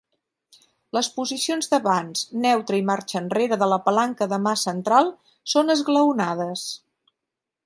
Les posicions d'avanç, neutre i marxa enrere de la palanca de mà central són esglaonades.